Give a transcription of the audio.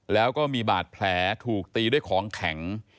แล้วก็มีบาดแผลถูกตีด้วยของแข็ง